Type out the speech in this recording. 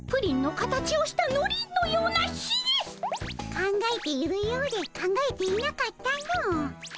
考えているようで考えていなかったの。